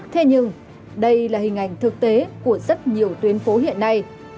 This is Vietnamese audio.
thế nhưng đây là hình ảnh thực tế của rất nhiều tuyến phố hiện nay